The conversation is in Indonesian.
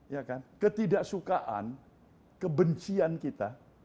ya kan ketidaksukaan kebencian kita